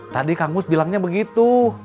tadi kang gus bilangnya begitu